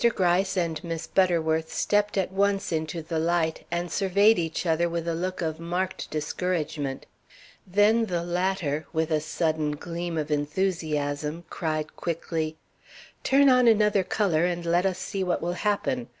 Gryce and Miss Butterworth stepped at once into the light, and surveyed each other with a look of marked discouragement. Then the latter, with a sudden gleam of enthusiasm, cried quickly: "Turn on another color, and let us see what will happen.